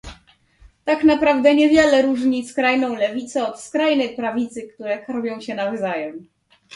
Tak naprawdę niewiele różni skrajną lewicę od skrajnej prawicy, które karmią się nawzajem